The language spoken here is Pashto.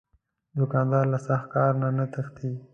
دوکاندار له سخت کار نه نه تښتي.